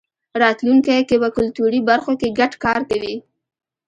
راتلونکی کې به کلتوري برخو کې ګډ کار کوی.